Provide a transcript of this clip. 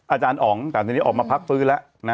อาจารย์อ๋องแต่ทีนี้ออกมาพักฟื้นแล้ว